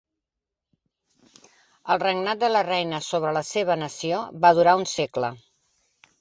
El regnat de la reina sobre la seva nació va durar un segle.